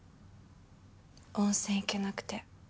温泉行けなくて。